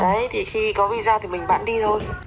đấy thì khi có visa thì mình bạn đi thôi